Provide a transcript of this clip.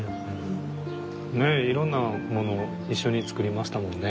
ねえいろんなものを一緒に作りましたもんね。